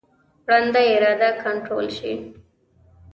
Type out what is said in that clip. ړنده اراده کنټرول شي.